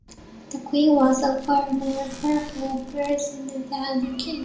The queen was a far more powerful personage than the king.